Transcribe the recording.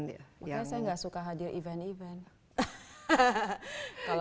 biasanya saya enggak suka hadir event event